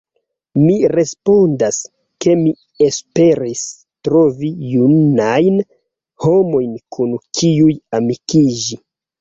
Mi respondas, ke mi esperis trovi junajn homojn kun kiuj amikiĝi.